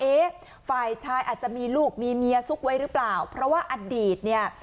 ฝ่ายชายอาจจะมีลูกมีเมียซุกไว้หรือเปล่าเพราะว่าอดีตเนี่ย